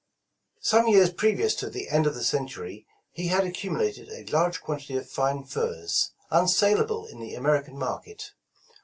Some years previous to the end of the century, he had accumulated a large quantity of fine furs, unsalable in the American market.